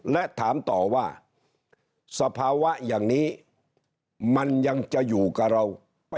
และถามต่อว่าสภาวะอย่างนี้มันยังจะอยู่กับเรา